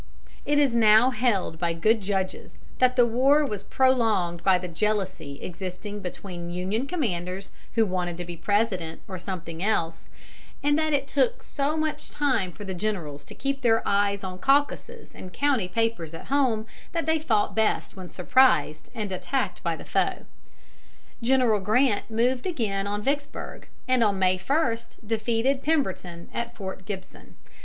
It is held now by good judges that the war was prolonged by the jealousy existing between Union commanders who wanted to be President or something else, and that it took so much time for the generals to keep their eyes on caucuses and county papers at home that they fought best when surprised and attacked by the foe. General Grant moved again on Vicksburg, and on May 1, defeated Pemberton at Fort Gibson.